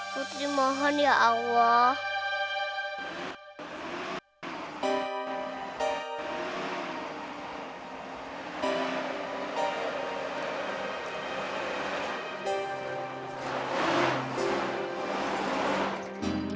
putri mohon ya allah